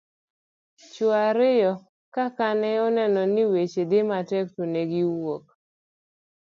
chuwo ariyo ka kane oneno ni weche dhi matek to nowuok